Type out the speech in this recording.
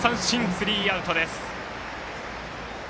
スリーアウトです。